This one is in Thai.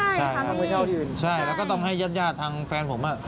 ใช่ครับใช่ครับใช่แล้วก็ต้องให้ญาติย่าทางแฟนผม